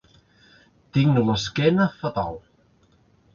Tinc l'esquena fatal.